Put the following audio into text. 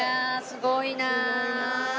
すごいなあ。